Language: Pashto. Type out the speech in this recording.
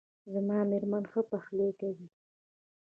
زما میرمن ښه پخلی کوي